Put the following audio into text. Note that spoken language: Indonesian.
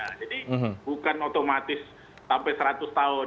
jadi bukan otomatis sampai seratus tahun